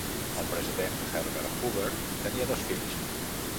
El president Herbert Hoover tenia dos fills.